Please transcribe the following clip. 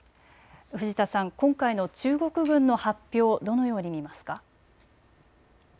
藤田さん、今回の中国軍の発表、どのように見ますか。